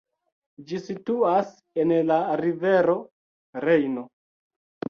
Ĝi situas en la rivero Rejno.